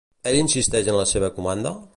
Ell insisteix en la seva comanda?